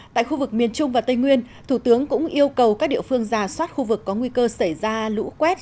tại khu vực miền trung và tây nguyên thủ tướng cũng yêu cầu các địa phương giả soát khu vực có nguy cơ xảy ra lũ quét